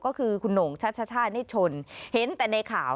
ก็คือคุณโหน่งชัชชานิชชนเห็นแต่ในข่าว